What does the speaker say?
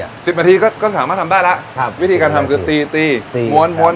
๑๐นาทีก็ถามว่าทำได้แล้ววิธีการทำคือตีหมวน